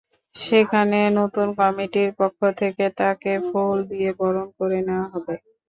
সেখানে নতুন কমিটির পক্ষ থেকে তাঁকে ফুল দিয়ে বরণ করে নেওয়া হবে।